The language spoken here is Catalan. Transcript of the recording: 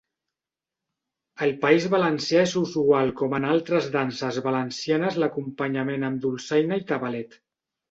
Al País Valencià és usual com en altres danses valencianes l'acompanyament amb dolçaina i tabalet.